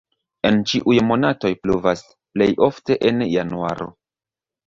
En ĉiuj monatoj pluvas, plej ofte en januaro.